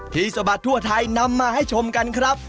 สะบัดทั่วไทยนำมาให้ชมกันครับ